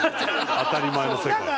当たり前の世界。